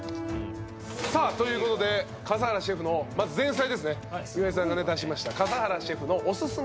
さあということで笠原シェフのまず前菜ですね岩井さんが出しました笠原シェフのおすすめ洋画５選。